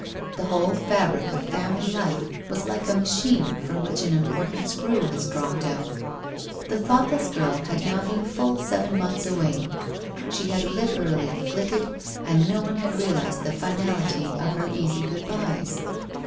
The whole fabric of family life was like a machine from which an important screw has dropped out. The thoughtless girl had now been full seven months away. She had literally flitted, and no one had realized the finality of her easy good byes.